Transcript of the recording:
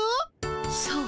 そう！